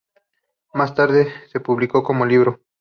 Más tarde se publicó como libro.